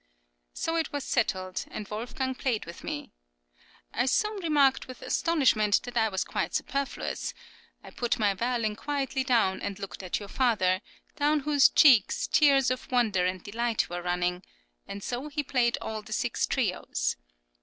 So it was settled, and Wolfgang played with me. I soon remarked with astonishment that I was quite superfluous; I put my violin quietly down, and looked at your father, down whose cheeks tears of wonder and delight were running; and so he played all the six trios.